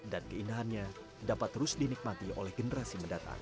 dan keindahannya dapat terus dinikmati oleh generasi mendatang